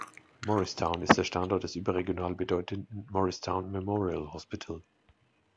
Morristown ist Standort des überregional bedeutenden Morristown Memorial Hospital.